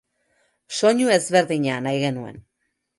Soinu ezberdina nahi genuen.